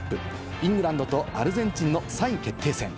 イングランドとアルゼンチンの３位決定戦。